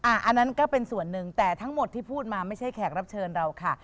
อันนั้นก็เป็นส่วนหนึ่งแต่ทั้งหมดที่พูดมาไม่ใช่แขกรับเชิญเราค่ะ